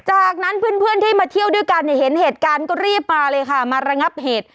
จากนั้นเพื่อนที่มาเที่ยวด้วยกันเนี่ยเห็นเหตุการณ์ก็รีบมาเลยค่ะมาระงับเหตุ